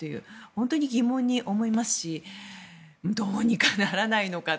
本当に疑問に思いますしどうにかならないのか。